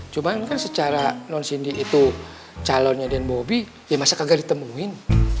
cuma kan secara non cindy itu calonnya den bobby ya masa kagak ditemuin